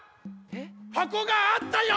はこがあったよ！